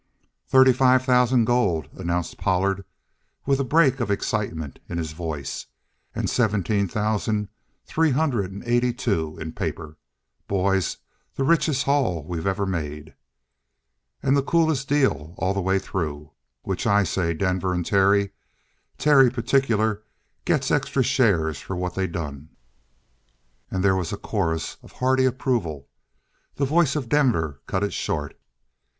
"Thirty five thousand gold," announced Pollard, with a break of excitement in his voice, "and seventeen thousand three hundred and eighty two in paper. Boys, the richest haul we ever made! And the coolest deal all the way through. Which I say, Denver and Terry Terry particular gets extra shares for what they done!" And there was a chorus of hearty approval. The voice of Denver cut it short.